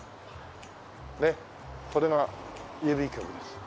ねっこれが郵便局です。